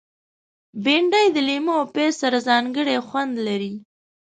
بېنډۍ د لیمو او پیاز سره ځانګړی خوند لري